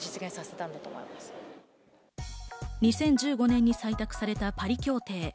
２０１５年に採択されたパリ協定。